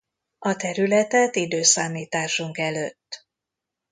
A területet i.e.